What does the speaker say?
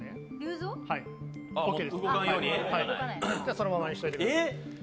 そのままにしておいてください。